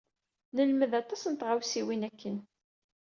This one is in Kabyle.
Nelmed aṭas n tɣawsiwin akken.